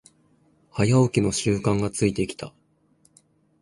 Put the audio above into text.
早起きの習慣がついてきた